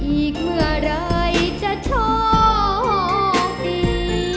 อีกเมื่อไหร่จะโชคดี